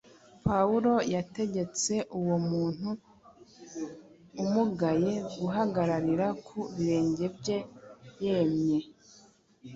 Pawulo yategetse uwo muntu umugaye guhagararira ku birenge bye yemye.